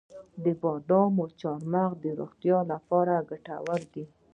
د بادامو مغز د روغتیا لپاره ګټور دی.